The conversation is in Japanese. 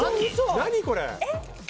何これ？